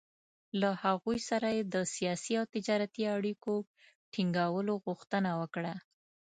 له هغوی سره یې د سیاسي او تجارتي اړیکو ټینګولو غوښتنه وکړه.